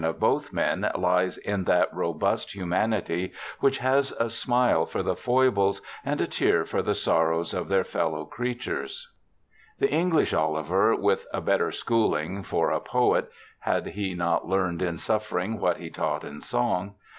56 BIOGRAPHICAL ESSAYS of both men lies in that robust humanity which has a smile for the foibles and a tear for the sorrows of their fellow creatures. The English Oliver, with a better schooling for a poet (had he not learned in suffering what he taught in song?)